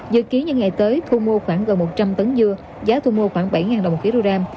dự kiến những ngày tới thu mua khoảng gần một trăm linh tấn dưa giá thu mua khoảng bảy đồng khí rô ram